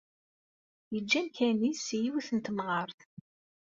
Yeǧǧa amkan-is i yiwet n temɣart.